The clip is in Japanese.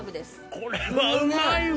これはうまいわ。